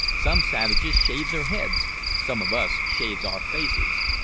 Some savages shave their heads, some of us shaves our faces.